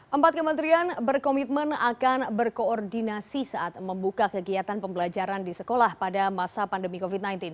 empat kementerian berkomitmen akan berkoordinasi saat membuka kegiatan pembelajaran di sekolah pada masa pandemi covid sembilan belas